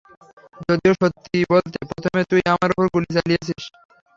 যদিও, সত্যি বলতে, প্রথমে তুই আমার ওপর গুলি চালিয়েছিলিস।